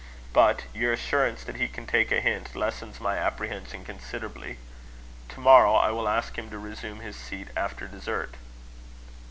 But your assurance that he can take a hint, lessens my apprehension considerably. To morrow, I will ask him to resume his seat after dessert."